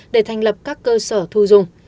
để thành lập các cơ sở thu dung